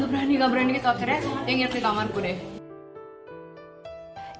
gak berani gak berani gitu akhirnya dia nginep di kamarku deh